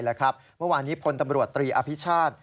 เมื่อวานนี้พลตำรวจตรีอภิชาติ